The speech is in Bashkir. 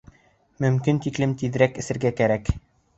Мөмкин тиклем тиҙерәк эсергә кәрәк!